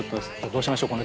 どうしましょう？